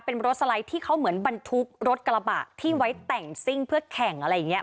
เป็นรถสไลด์ที่เขาเหมือนบรรทุกรถกระบะที่ไว้แต่งซิ่งเพื่อแข่งอะไรอย่างนี้